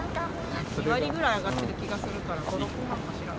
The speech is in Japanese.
２割ぐらい上がってる気がするから５、６万かしら。